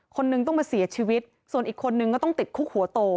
คนนึงต้องมาเสียชีวิตส่วนอีกคนนึงก็ต้องติดคุกหัวโต